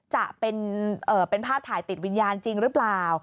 จะเป็นภาพถ่ายติดวิญญาณจริงหรือเปล่า